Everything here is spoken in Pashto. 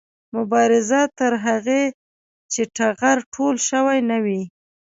مبارزه تر هغې چې ټغر ټول شوی نه وي